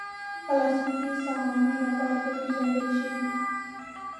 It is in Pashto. پلاستيکي سامانونه باید وپېژندل شي.